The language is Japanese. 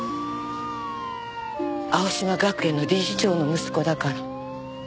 青嶋学園の理事長の息子だから。